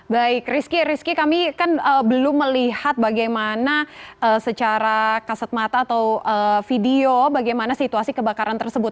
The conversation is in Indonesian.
baik rizky rizky kami kan belum melihat bagaimana secara kasat mata atau video bagaimana situasi kebakaran tersebut